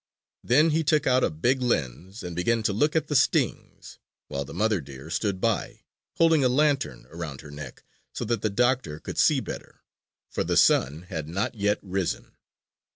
Then he took out a big lens and began to look at the stings, while the mother deer stood by, holding a lantern around her neck so that the "doctor" could see better. For the sun had not yet risen.